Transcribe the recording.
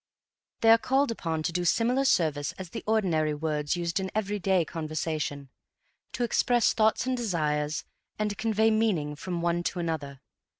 They are called upon to do similar service as the ordinary words used in everyday conversation to express thoughts and desires and convey meaning from one to another.